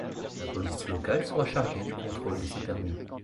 La police locale sera chargée du contrôle de ces permis.